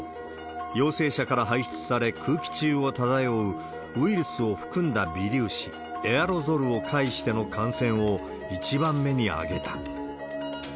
陽性者から排出され、空気中を漂うウイルスを含んだ微粒子、エアロゾルを介しての感染を１番目に挙げた。